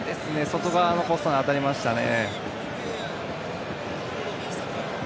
外側のポストに当たりましたね。